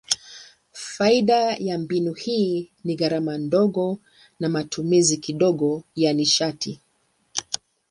Faida za mbinu hii ni gharama ndogo na matumizi kidogo ya nishati.